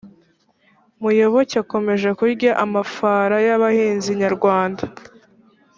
Muyoboke akomeje kurya amafara yabahanzi nyarwanda